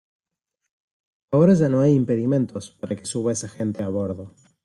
ahora ya no hay impedimentos para que suba esa gente a bordo.